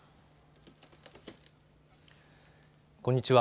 こんにちは。